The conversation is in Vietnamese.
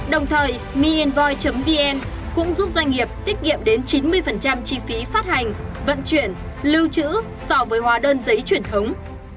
đồng thời mienvoi vn cũng giúp doanh nghiệp tiết kiệm đến chín mươi chi phí phát hành vận chuyển lưu trữ so với hóa đơn giấy truyền thống